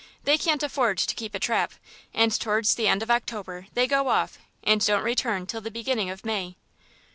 They can't afford to keep a trap, and towards the end of October they go off and don't return till the beginning of May.